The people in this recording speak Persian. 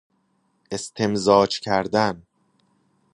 استمزاج کردن